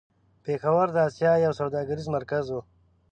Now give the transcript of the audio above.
پېښور د آسيا يو سوداګريز مرکز و.